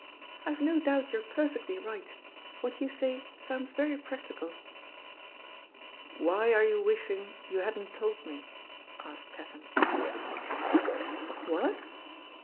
"IVe no doubt you're per fectly right; what you say sounds very practical.*' "Why are you wishing you hadn't told me?'* asked Tatham impulsively. "What?'